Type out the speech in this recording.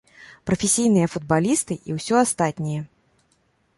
Прафесійныя футбалісты і ўсё астатняе.